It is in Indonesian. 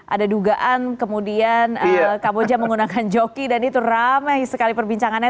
ada dugaan kemudian kamboja menggunakan joki dan itu ramai sekali perbincangannya